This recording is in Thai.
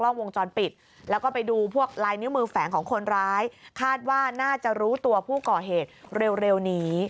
นิ้วมือแฝงของคนร้ายคาดว่าน่าจะรู้ตัวผู้ก่อเหตุเร็วนี้